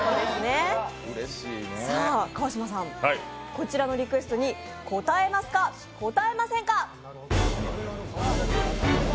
こちらのリクエストに応えますか、応えませんか。